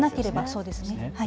そうですね。